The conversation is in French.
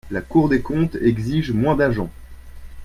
La Cour des comptes exige moins d’agents.